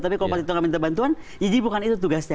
tapi kalau pak tito nggak minta bantuan jadi bukan itu tugasnya